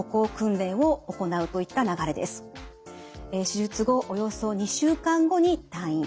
手術後およそ２週間後に退院。